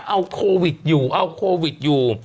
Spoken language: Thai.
เอาโควิดอยู่เอาโควิดอยู่